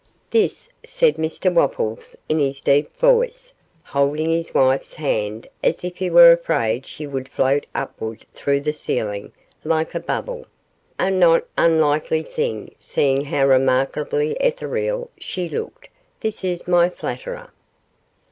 'This,' said Mr Wopples in his deep voice, holding his wife's hand as if he were afraid she would float upward thro' the ceiling like a bubble a not unlikely thing seeing how remarkably ethereal she looked; 'this is my flutterer.